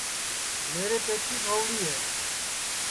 میرے پئچیس ہؤڑی ہے